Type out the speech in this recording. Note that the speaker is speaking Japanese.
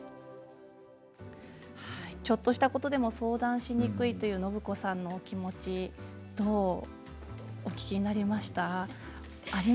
ちょっとしたことでも相談しにくいというのぶこさんの気持ちどうお聞きになりましたか。